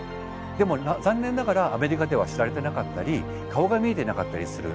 でも残念ながらアメリカでは知られてなかったり顔が見えてなかったりする。